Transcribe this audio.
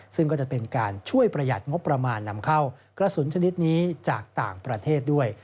ซึ่งก็จะเป็นการช่วยประหยัดงบประมาณนำเข้ากระสุนชนิดนี้จากต่างประเทศด้วย